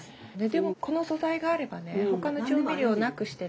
でもこの素材があればね他の調味料なくしてね